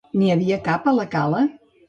N'hi havia cap a la cala?